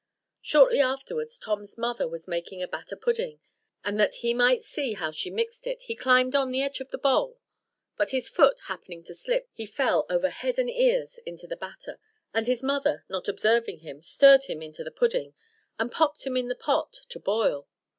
Shortly afterwards Tom's mother was making a batter pudding, and that he might see how she mixed it, he climbed on the edge of the bowl; but his foot happening to slip, he fell over head and ears into the batter, and his mother, not observing him, stirred him into the pudding, and popped him into the pot to boil.